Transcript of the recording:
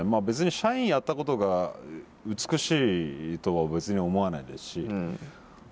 別に社員やったことが美しいとは別に思わないですし。